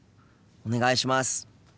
お願いします。